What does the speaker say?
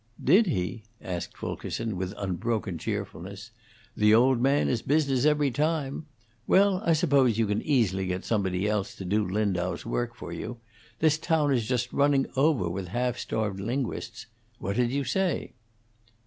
"Did he?" asked Fulkerson, with unbroken cheerfulness. "The old man is business, every time. Well, I suppose you can easily get somebody else to do Lindau's work for you. This town is just running over with half starved linguists. What did you say?"